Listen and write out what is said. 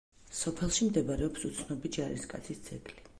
სოფელში მდებარეობს უცნობი ჯარისკაცის ძეგლი.